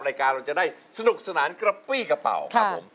รายการเราจะได้สนุกสนานกระปี้กระเป๋าครับผม